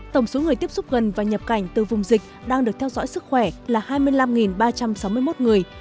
tổng số người tiếp xúc gần và nhập cảnh từ vùng dịch đang được theo dõi sức khỏe là hai mươi năm ba trăm sáu mươi một người